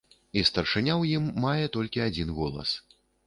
І старшыня ў ім мае толькі адзін голас.